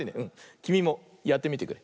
きみもやってみてくれ。